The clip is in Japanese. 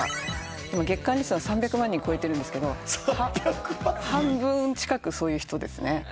月間リスナーは３００万人超えてるんですけど半分近くそういう人ですね。